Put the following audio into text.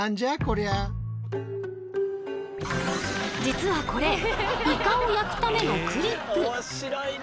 実はこれイカを焼くためのクリップ。